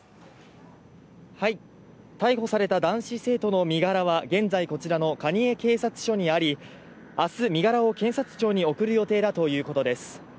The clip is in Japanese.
逮捕された男子生徒の身柄は現在、こちらの蟹江警察署にあり明日、身柄を検察庁に送る予定だということです。